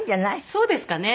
そうですかね。